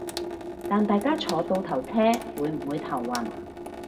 但大家坐倒頭車會唔會頭暈